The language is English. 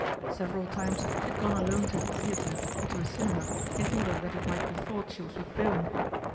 Several times she had gone alone to the theatre, or to a cinema, in order that it might be thought she was with Bowen.